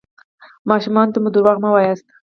ماشومانو ته مو درواغ مه وایاست.